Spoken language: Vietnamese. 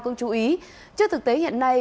cũng chú ý trước thực tế hiện nay